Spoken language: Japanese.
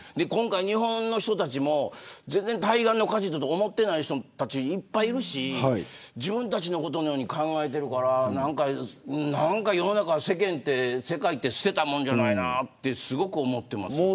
今回、日本の人たちも全然対岸の火事と思ってない人たちいっぱいいるし、自分たちのことのように考えてるからなんか、世の中、世間って世界って捨てたもんじゃないなってすごく思ってます。